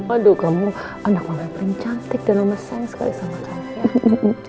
aduh kamu anak mama yang cantik dan omasannya sekali sama kamu ya